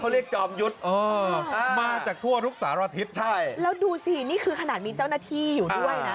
แล้วดูสินี่คือขนาดมีเจ้าหน้าที่อยู่ด้วยนะ